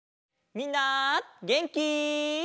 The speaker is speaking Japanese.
みんなげんき？